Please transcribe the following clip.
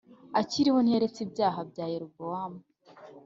akiriho ntiyaretse ibyaha bya Yerobowamu